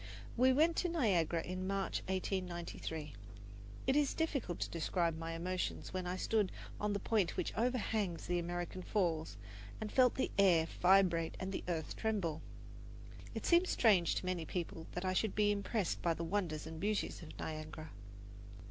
We went to Niagara in March, 1893. It is difficult to describe my emotions when I stood on the point which overhangs the American Falls and felt the air vibrate and the earth tremble. It seems strange to many people that I should be impressed by the wonders and beauties of Niagara.